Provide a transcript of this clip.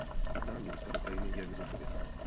Jednání Ruska a Ukrajiny je nezodpovědné.